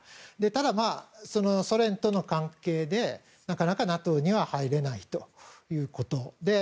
ただ、ソ連との関係でなかなかＮＡＴＯには入れないということで。